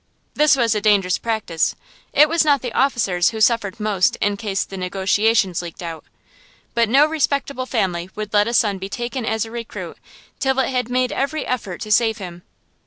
This was a dangerous practice, it was not the officers who suffered most in case the negotiations leaked out, but no respectable family would let a son be taken as a recruit till it had made every effort to save him.